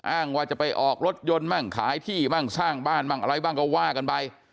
อ้างว่าจะไปออกรถยนต์มั่งขายที่มั่งสร้างบ้านมั่งอะไรบ้างก็ว่ากันไป